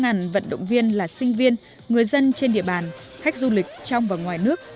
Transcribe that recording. ngàn vận động viên là sinh viên người dân trên địa bàn khách du lịch trong và ngoài nước